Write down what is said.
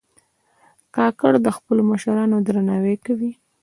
کاکړ د خپلو مشرانو درناوی کوي.